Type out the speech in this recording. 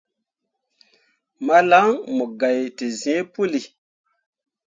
Malan mu gai te zĩĩ puli.